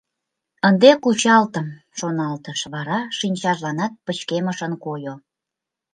«Ынде кучалтым» шоналтыш, вара шинчажланат пычкемышын койо...